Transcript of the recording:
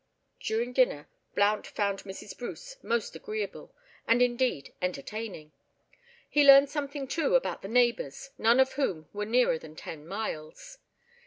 During dinner, Blount found Mrs. Bruce most agreeable, and, indeed, entertaining. He learned something too about the neighbours, none of whom were nearer than ten miles.